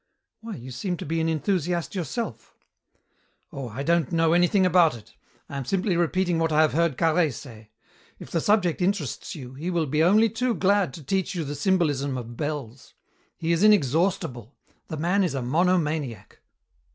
"Why, you seem to be an enthusiast yourself." "Oh, I don't know anything about it. I am simply repeating what I have heard Carhaix say. If the subject interests you, he will be only too glad to teach you the symbolism of bells. He is inexhaustible. The man is a monomaniac."